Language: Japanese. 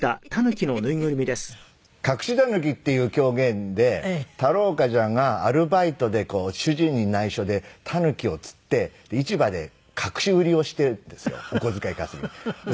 『隠狸』っていう狂言で太郎冠者がアルバイトで主人に内緒で狸を釣って市場で隠し売りをしているんですよお小遣い稼ぎで。